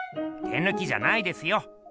手ぬきじゃないですよ。